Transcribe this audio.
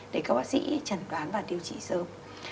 để các bác sĩ trần đoán và điều trị sớm